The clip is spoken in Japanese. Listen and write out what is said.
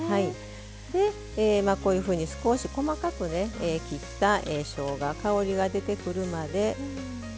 で、こういうふうに少し細かく切ったしょうが香りが出てくるまで。